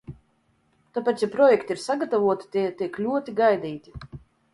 Tāpēc, ja projekti ir sagatavoti, tie tiek ļoti gaidīti.